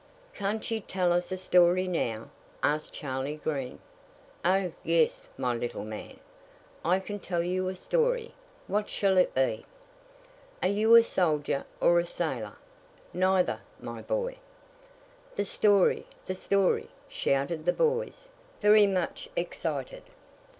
"Can't you tell us a story now?" asked Charley Green. "O, yes, my little man, I can tell you a story. What shall it be?" "Are you a soldier or a sailor?" "Neither, my boy." "The story! the story!" shouted the boys, very much excited.